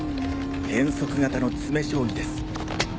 変則型の詰め将棋です。